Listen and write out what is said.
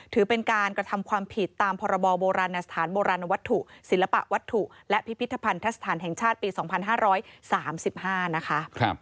ถือเป็นการกระทำความผิดตามพรบโบราณสถานโบราณวัตถุศิลปะวัตถุและพิพิธภัณฑสถานแห่งชาติปี๒๕๓๕นะคะ